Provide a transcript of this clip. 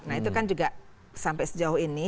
nah itu kan juga sampai sejauh ini